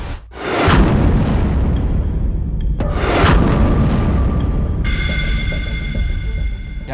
kami dari kepolisian praja lima